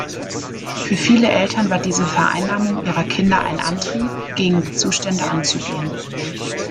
Für viele Eltern war diese Vereinnahmung ihrer Kinder ein Antrieb, gegen die Zustände anzugehen.